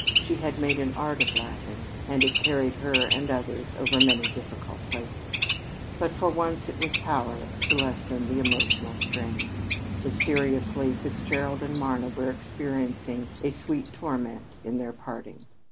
She had made an art of laughing, and it carried her and others over many difficult places. But for once it was powerless to lessen the emotional strain. Mysteriously, Fitzgerald and Marna were experiencing a sweet torment in their parting.